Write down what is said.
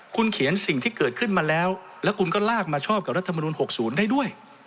คุณเขียนสิ่งที่เกิดขึ้นมาแล้วแล้วคุณก็ลากมาชอบกับรัฐมนุน๖๐ได้ด้วย